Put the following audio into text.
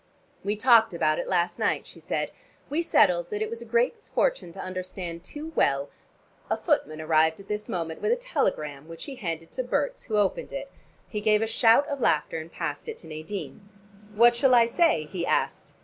"We talked about it last night," she said. "We settled that it was a great misfortune to understand too well " A footman arrived at this moment with a telegram which he handed to Berts, who opened it. He gave a shout of laughter and passed it to Nadine. "What shall I say?" he asked.